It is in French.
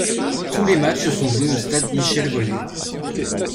Tous les matchs sont joués au Stade Michel-Volnay.